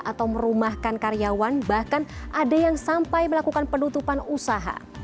atau merumahkan karyawan bahkan ada yang sampai melakukan penutupan usaha